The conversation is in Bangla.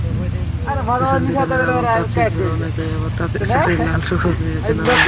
ফ্যাশন ডিজাইনার এবং তাঁতশিল্পীদের অনেকেই এবার তাঁতের শাড়িতে লাল–সবুজ নিয়ে এসেছেন নানাভাবে।